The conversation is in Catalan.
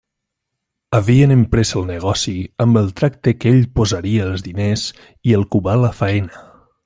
Havien emprès el negoci amb el tracte que ell posaria els diners i el Cubà la faena.